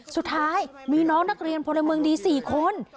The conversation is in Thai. สุดท้ายมีน้องนักเรียนพลเมืองดี๔คน